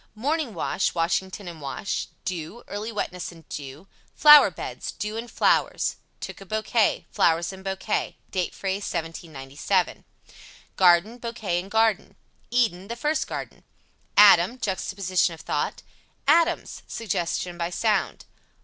Morning wash Washington and wash. Dew Early wetness and dew. Flower beds Dew and flowers. (Took a bouquet) Flowers and bouquet. Date phrase (1797), Garden Bouquet and garden. Eden The first garden. Adam Juxtaposition of thought. ADAMS Suggestion by sound.